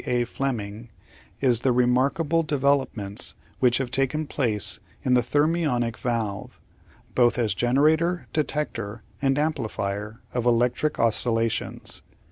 A. Fleming, "is the remarkable developments which have taken place in the thermionic valve, both as generator, detector, and amplifier of electric oscillations.